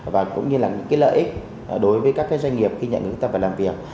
và cũng như là những lợi ích đối với các doanh nghiệp khi nhận người khuyết tật và làm việc